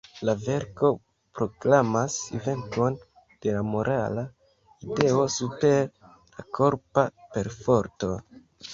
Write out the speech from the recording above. La verko proklamas venkon de la morala ideo super la korpa perforto.